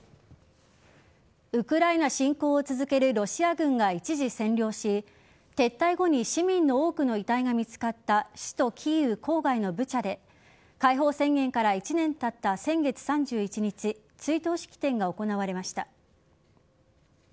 ウクライナ侵攻を続けるロシア軍が一時占領し撤退後に市民の多くの遺体が見つかった首都・キーウ郊外のブチャで解放宣言から１年たった先月３１日追悼式典が行われました。